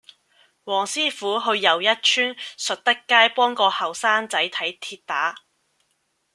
黃師傅去又一村述德街幫個後生仔睇跌打